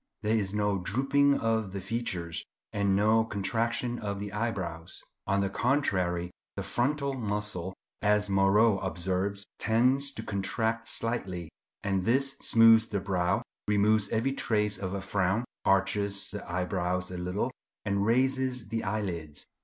There is no drooping of the features, and no contraction of the eyebrows. On the contrary, the frontal muscle, as Moreau observes, tends to contract slightly; and this smooths the brow, removes every trace of a frown, arches the eyebrows a little, and raises the eyelids.